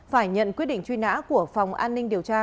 phải nhận quyết định truy nã của phòng an ninh điều tra